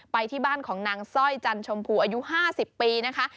ไปที่บ้านของนางสร้อยจันชมพูอายุ๕๐ปีนะคะ